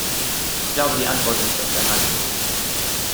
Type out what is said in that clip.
Ich glaube, die Antwort liegt auf der Hand.